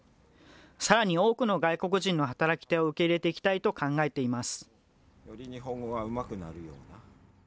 さらに多くの外国人の働き手を受け入れていきたいと考えています。